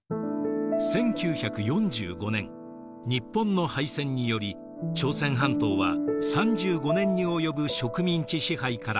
１９４５年日本の敗戦により朝鮮半島は３５年に及ぶ植民地支配から解放されます。